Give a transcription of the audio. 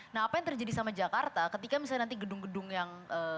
nah apa yang terjadi sama jakarta ketika misalnya nanti gedung gedung yang